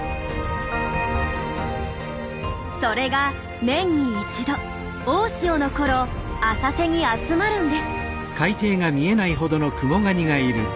それが年に一度大潮のころ浅瀬に集まるんです。